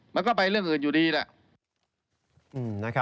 มันก็ไปเรื่องอื่นอยู่ดีแหละ